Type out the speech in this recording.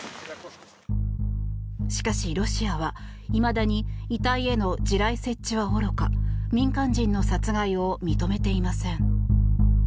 しかし、ロシアはいまだに遺体への地雷設置はおろか民間人の殺害を認めていません。